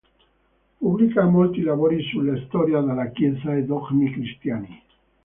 Pubblica molti lavori sulla storia della Chiesa e dogmi cristiani.